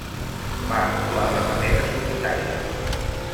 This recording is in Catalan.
Va actuar de manera solitària.